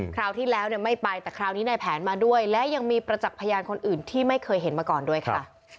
คราวที่แล้วเนี่ยไม่ไปแต่คราวนี้นายแผนมาด้วยและยังมีประจักษ์พยานคนอื่นที่ไม่เคยเห็นมาก่อนด้วยค่ะ